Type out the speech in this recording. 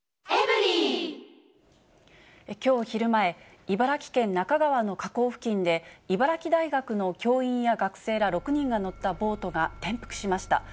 きょう昼前、茨城県那珂川の河口付近で、茨城大学の教員や学生ら６人が乗ったボートが転覆しました。